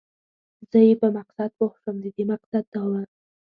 زه یې په مقصد پوه شوم، د دې مقصد دا و.